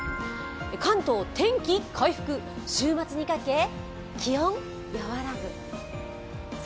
関東、天気回復週末にかけ気温和らぐ？